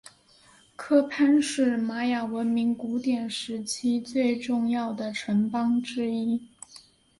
科潘是玛雅文明古典时期最重要的城邦之一。